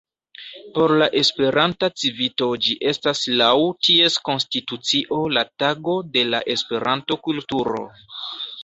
Por la Esperanta Civito ĝi estas laŭ ties konstitucio la Tago de la Esperanto-kulturo.